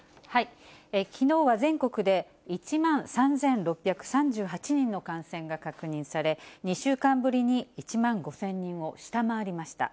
きのうは全国で１万３６３８人の感染が確認され、２週間ぶりに１万５０００人を下回りました。